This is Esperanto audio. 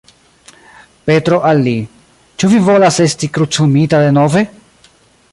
Petro al li: "Ĉu vi volas esti krucumita denove?